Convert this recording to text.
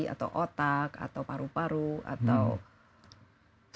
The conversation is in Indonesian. atau otak atau paru paru atau